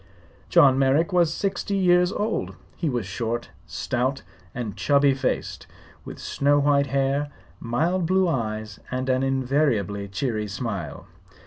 John Merrick was sixty years old. He was short, stout and chubby faced, with snow white hair, mild blue eyes and an invariably cheery smile.